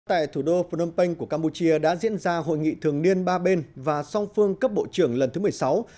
tại thủ đô phnom penh của campuchia đã diễn ra hội nghị thường niên ba bên và song phương cấp bộ trưởng lần thứ một mươi sáu